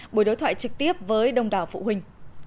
buổi đối thoại trực tiếp với đông đảo phụ huynh